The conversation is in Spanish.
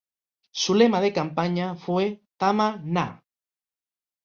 Su lema de campaña fue: ""Tama na!